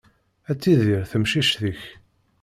Ad tidir temcict-ik.